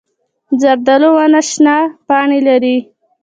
زردالو ونه شنه پاڼې لري.